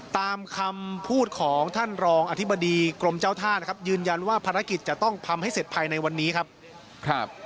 ตามคำพูดของท่านรองอธิบดีกรมเจ้าท่านะครับยืนยันว่าภารกิจจะต้องทำให้เสร็จภายในวันนี้ครับ